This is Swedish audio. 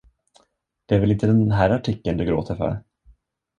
Det är väl inte den här artikeln du gråter för?